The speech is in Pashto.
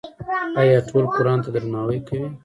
آیا ټول قرآن ته درناوی کوي؟